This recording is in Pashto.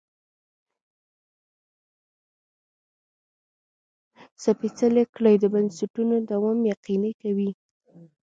سپېڅلې کړۍ د بنسټونو دوام یقیني کوي.